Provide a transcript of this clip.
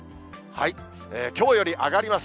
きょうより上がります。